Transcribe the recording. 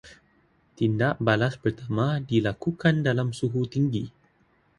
Tindak balas pertama dilakukan dalam suhu tinggi